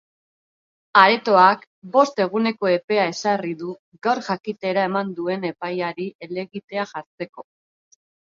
Aretoak bost eguneko epea ezarri du gaur jakitera eman duen epaiari helegitea jartzeko.